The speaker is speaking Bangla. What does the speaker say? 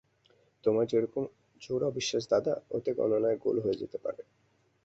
তোমার যেরকম জোর অবিশ্বাস দাদা, ওতে গণনায় গোল হয়ে যেতে পারে।